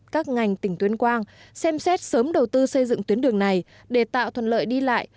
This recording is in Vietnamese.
các ngành tỉnh tuyên quang xem xét sớm đầu tư xây dựng tuyến đường này để tạo thuận lợi đi lại